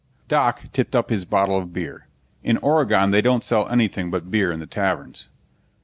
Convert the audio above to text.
Doc tipped up his bottle of beer. In Oregon they don't sell anything but beer in the taverns.